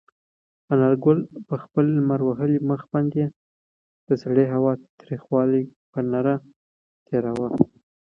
انارګل په خپل لمر وهلي مخ باندې د سړې هوا تریخوالی په نره تېراوه.